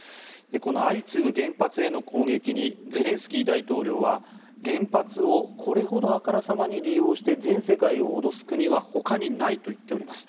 この相次ぐ原発への攻撃にゼレンスキー大統領は原発をこれほどあからさまに利用して全世界を脅す国はほかにないと言っております。